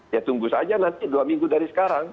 ya tunggu saja nanti dua minggu dari sekarang